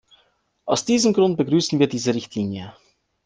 Aus diesem Grund begrüßen wir diese Richtlinie.